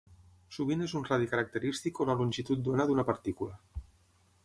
Sovint és un radi característic o la longitud d'ona d'una partícula.